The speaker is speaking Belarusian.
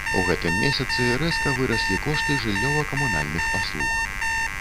У гэтым месяцы рэзка выраслі кошты жыллёва-камунальных паслуг.